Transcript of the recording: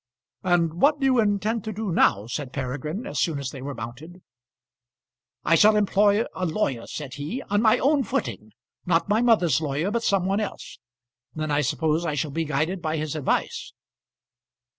"And what do you intend to do now?" said Peregrine as soon as they were mounted. "I shall employ a lawyer," said he, "on my own footing; not my mother's lawyer, but some one else. Then I suppose I shall be guided by his advice."